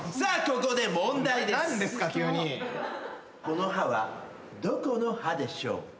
この歯はどこの歯でしょうか？